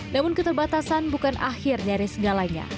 namun keterbatasan bukan akhir dari segalanya